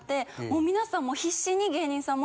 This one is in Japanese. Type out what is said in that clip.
もう皆さん必死に芸人さん